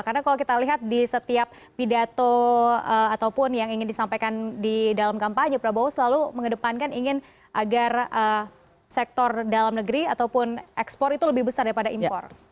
karena kalau kita lihat di setiap pidato ataupun yang ingin disampaikan di dalam kampanye prabowo selalu mengedepankan ingin agar sektor dalam negeri ataupun ekspor itu lebih besar daripada impor